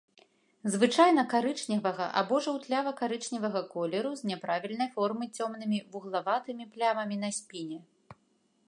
Звычайна карычневага або жаўтлява-карычневага колеру з няправільнай формы цёмнымі вуглаватымі плямамі на спіне.